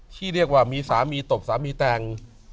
ที่เรียกว่ามีสามีตบสามีแต่ง